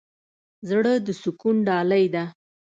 زړه د سکون ډالۍ ده.